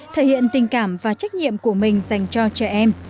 thể hiện tình cảm và trách nhiệm của mình dành cho trẻ em